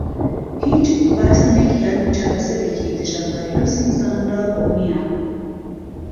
هیچ ڤاکسینێک یان چارەسەرێکی دژە ڤایرۆسی زانراو نیە.